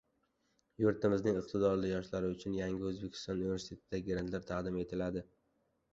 Yurtimizning iqtidorli yoshlari uchun "Yangi O‘zbekiston" universitetida grantlar taqdim etiladi!